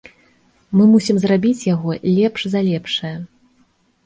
Мы мусім зрабіць яго лепш за лепшае.